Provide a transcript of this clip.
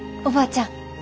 おばあちゃん。